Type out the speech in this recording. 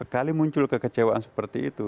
kali muncul kekecewaan seperti itu